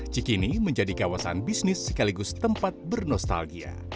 cikini menjadi kawasan bisnis sekaligus tempat bernostalgia